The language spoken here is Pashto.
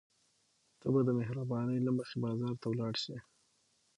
ته به د مهربانۍ له مخې بازار ته ولاړ شې.